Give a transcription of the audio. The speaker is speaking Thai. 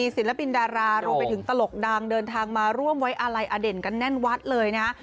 ศิลปินดารารวมไปถึงตลกดังเดินทางมาร่วมไว้อาลัยอเด่นกันแน่นวัดเลยนะ